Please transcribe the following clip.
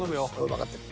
わかってる。